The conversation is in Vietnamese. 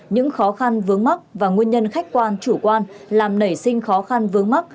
những khó khăn vướng mắt và nguyên nhân khách quan chủ quan làm nảy sinh khó khăn vướng mắt